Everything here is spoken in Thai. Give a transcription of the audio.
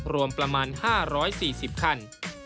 รวมประมาณ๕๔๐คัน